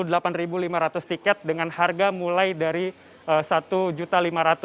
ada delapan lima ratus tiket dengan harga mulai dari rp satu lima ratus